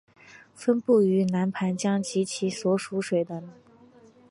分布于南盘江及其所属水体等。